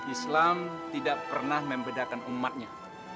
islam tidak pernah membedakan umatnya